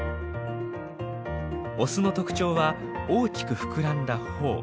オスの特徴は大きく膨らんだ頬。